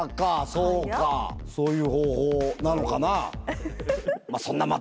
そういう方法なのかな？